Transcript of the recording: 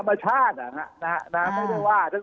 อาจารย์